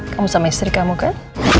kamu sama istri kamu kan